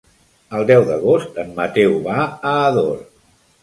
El deu d'agost en Mateu va a Ador.